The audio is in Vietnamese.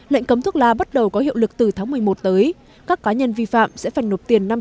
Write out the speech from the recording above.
lệnh cấm thuốc lá bắt đầu có hiệu lực từ tháng một mươi một tới các cá nhân vi phạm sẽ phải nộp tiền năm mươi